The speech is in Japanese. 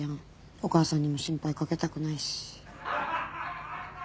お母さんにも心配かけたくないし。